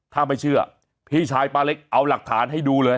ถ้าไม่เชื่อพี่ชายป้าเล็กเอาหลักฐานให้ดูเลย